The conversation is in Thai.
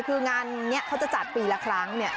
คืองานนี้เขาจะจัดปีละครั้งเนี่ย